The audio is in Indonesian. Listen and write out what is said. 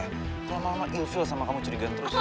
aku lama lama ilfil sama kamu curiga terus